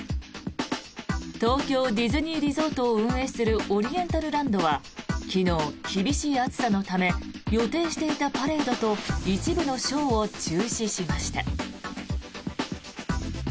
東京ディズニーリゾートを運営するオリエンタルランドは昨日厳しい暑さのため予定していたパレードと一部のショーを中止しました。